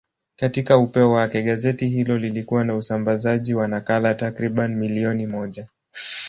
Katika upeo wake, gazeti hilo lilikuwa na usambazaji wa nakala takriban milioni moja.